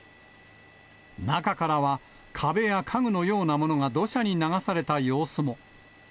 中からは、壁や家具のようなものが土砂に流された様子も。